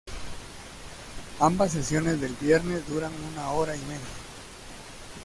Ambas sesiones del viernes duran una hora y media.